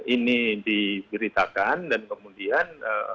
ini diberitakan dan kemudian